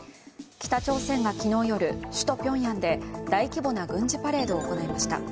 北朝鮮が昨日夜、首都ピョンヤンで大規模な軍事パレードを行いました。